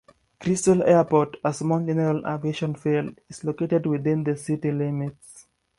Crystal Airport, a small general aviation field, is located within the city limits.